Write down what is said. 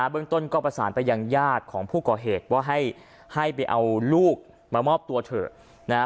เรื่องต้นก็ประสานไปยังญาติของผู้ก่อเหตุว่าให้ไปเอาลูกมามอบตัวเถอะนะฮะ